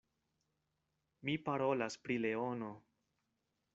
Mi parolas pri leono.